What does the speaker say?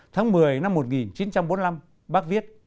tháng một mươi năm một nghìn chín trăm bốn mươi năm bác viết